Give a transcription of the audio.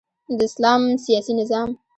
د اسلام سیاسی نظام